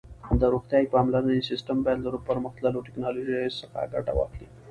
د روغتیايي پاملرنې سیسټم باید له پرمختللو ټکنالوژیو څخه ګټه واخلي.